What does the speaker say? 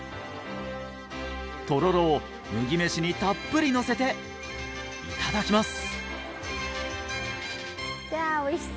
とろろを麦飯にたっぷりのせていただきます